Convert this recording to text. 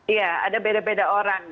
iya ada beda beda orang